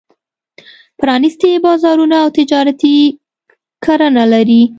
پرانېستي بازارونه او تجارتي کرنه لري.